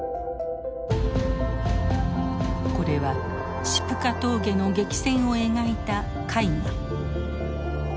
これはシプカ峠の激戦を描いた絵画。